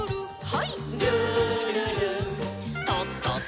はい。